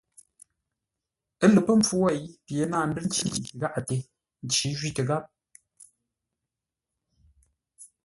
Ə́ lə pə́ mpfu wêi, pye náa ndə́r nci gháʼate; nci jwítə gháp.